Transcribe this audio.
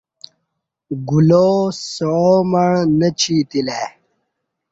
گلاو سعامع نہ چی تِلہ ای